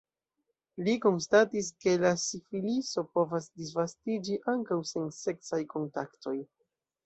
Li konstatis, ke la sifiliso povas disvastiĝi ankaŭ sen seksaj kontaktoj.